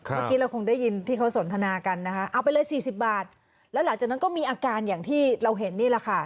เมื่อกี้เราคงได้ยินที่เขาสนทนากันนะคะเอาไปเลยสี่สิบบาทแล้วหลังจากนั้นก็มีอาการอย่างที่เราเห็นนี่แหละค่ะ